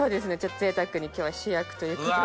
ぜいたくに今日は主役ということで。